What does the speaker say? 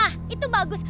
nah itu bagus